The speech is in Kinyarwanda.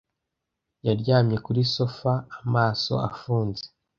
Yaryamye kuri sofa amaso afunze.